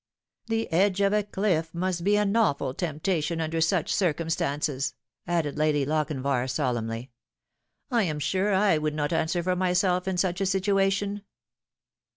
The edge of a cliff must be an awful temptation under such circumstances," added Lady Lochinvar solemnly. " I am sure I would not answer for myself in such a situation."